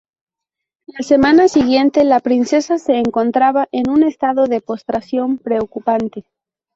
La semana siguiente, la princesa se encontraba en un estado de postración preocupante.